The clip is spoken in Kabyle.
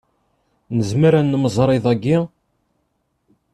Nezmer ad nemẓeṛ iḍ-aki?